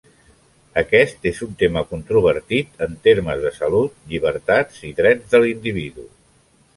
Aquest és un tema controvertit en termes de salut, llibertats i drets de l'individu.